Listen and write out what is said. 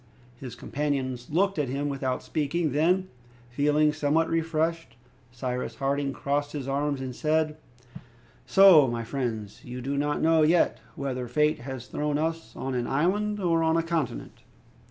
His companions looked at him without speaking. Then, feeling somewhat refreshed, Cyrus Harding crossed his arms, and said, "So, my friends, you do not know yet whether fate has thrown us on an island, or on a continent?"